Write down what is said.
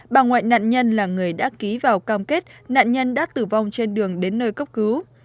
bà ngoại nạn nhân là người đã ký vào cam kết nạn nhân đã tử vong trên đường đến nơi cấp cứu